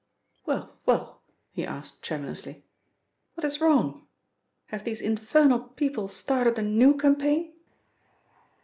"Well, well," he asked tremulously. "What is wrong? Have these infernal people started a new campaign?"